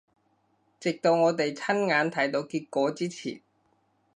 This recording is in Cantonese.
直到我哋親眼睇到結果之前